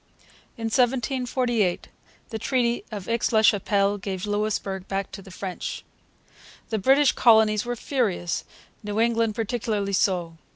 In 1748 the Treaty of Aix la Chapelle gave Louisbourg back to the French. The British colonies were furious, New England particularly so.